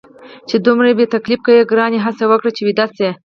چې دومره دې په تکلیف کوي، ګرانې هڅه وکړه چې ویده شې.